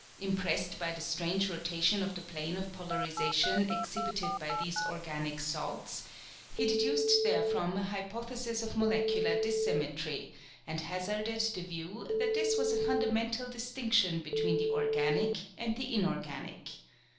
Impressed by the strange rotation of the plane of polarization exhibited by these organic salts, he deduced therefrom an hypothesis of molecular dissymmetry, and hazarded the view that this was a fundamental distinction between the organic and the inorganic.